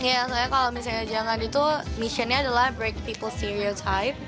ya soalnya kalau misalnya jangan itu misinya adalah break people stereotype